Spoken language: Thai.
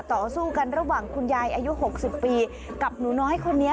ต่อสู้กันระหว่างคุณยายอายุ๖๐ปีกับหนูน้อยคนนี้